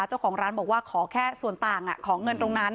เจ้าของร้านบอกว่าขอแค่ส่วนต่างขอเงินตรงนั้น